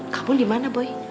kamu dimana boy